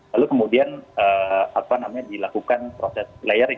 lalu kemudian dilakukan proses playering